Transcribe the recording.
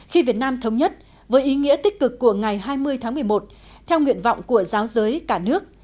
khi việt nam thống nhất với ý nghĩa tích cực của ngày hai mươi tháng một mươi một theo nguyện vọng của giáo giới cả nước